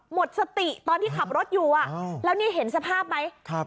หมดสติตอนที่ขับรถอยู่แล้วนี่เห็นสภาพไหม